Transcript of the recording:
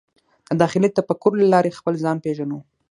د داخلي تفکر له لارې خپل ځان پېژنو.